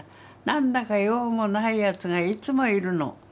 何だか用もないやつがいつもいるの。